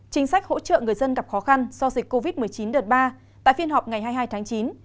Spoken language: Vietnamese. chính sách hỗ trợ người dân gặp khó khăn do dịch covid một mươi chín đợt ba tại phiên họp ngày hai mươi hai tháng chín